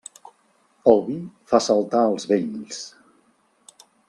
El vi fa saltar els vells.